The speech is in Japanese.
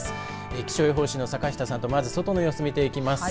気象予報士の坂下さんとまず外の様子を見ていきます。